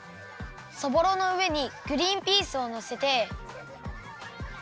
そぼろのうえにグリンピースをのせて。